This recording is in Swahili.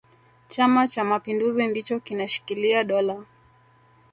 chama cha mapinduzi ndicho kinashikilia dola